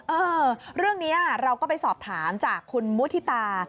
เออเรื่องนี้เราก็ไปสอบถามจากคุณมุฒิตา